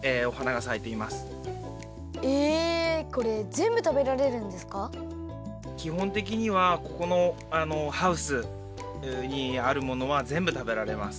きほんてきにはここのハウスにあるものはぜんぶ食べられます。